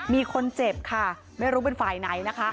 มีคนเจ็บค่ะไม่รู้เป็นฝ่ายไหนนะคะ